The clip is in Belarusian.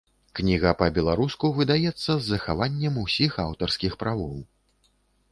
Кніга па-беларуску выдаецца з захаваннем усіх аўтарскіх правоў.